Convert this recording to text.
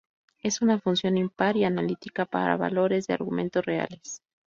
Es una función impar, y analítica para valores del argumento reales.